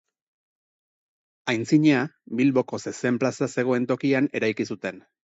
Aintzina, Bilboko zezen plaza zegoen tokian eraiki zuten.